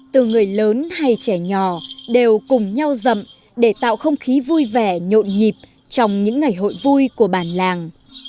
từ người lớn hay trẻ nhỏ đều cùng nhau rậm để tạo không khí vui vẻ nhộn nhịp trong những ngày hội vui của bản làng